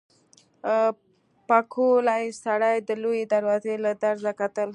پکولي سړي د لويې دروازې له درزه کتل.